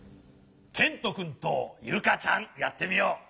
けんとくんとゆかちゃんやってみよう！